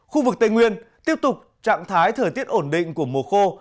khu vực tây nguyên tiếp tục trạng thái thời tiết ổn định của mùa khô